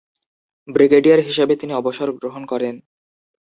Brigadier হিসাবে তিনি অবসর গ্রহণ করেন।